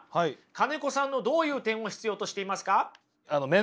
金子さんのどういう点を必要としていますか？